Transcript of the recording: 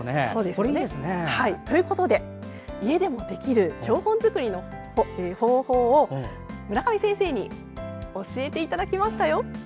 これ、いいですよね。ということで家でもできる標本作りの方法を村上先生に教えていただきました。